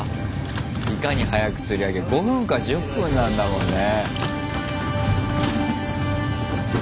いかに早く釣り上げるか５分か１０分なんだもんね。